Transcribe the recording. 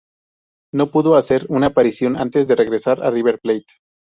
No pudo hacer una aparición antes de regresar a River Plate.